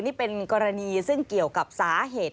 นี่เป็นกรณีซึ่งเกี่ยวกับสาเหตุ